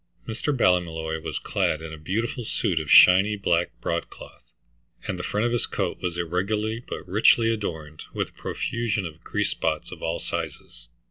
Mr. Ballymolloy was clad in a beautiful suit of shiny black broadcloth, and the front of his coat was irregularly but richly adorned with a profusion of grease spots of all sizes.